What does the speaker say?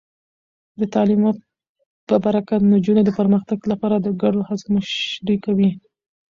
د تعلیم په برکت، نجونې د پرمختګ لپاره د ګډو هڅو مشري کوي.